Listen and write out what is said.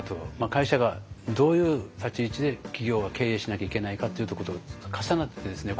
会社がどういう立ち位置で企業は経営しなきゃいけないかっていうとこと重なってですね。